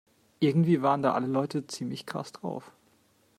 Irgendwie waren da alle Leute ziemlich krass drauf.